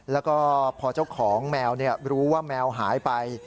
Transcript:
แล้วก็พอเจ้าของแมวรู้ว่าแมวหายไป